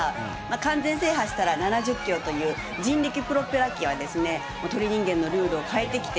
完全制覇したら、７０キロという人力プロペラ機はですね、鳥人間のルールを変えてきて、